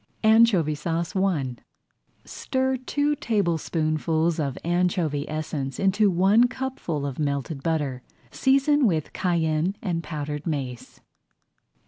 ANCHOVY SAUCE I Stir two tablespoonfuls of anchovy essence into one cupful of melted butter. Season with cayenne and powdered mace.